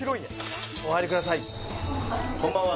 こんばんは。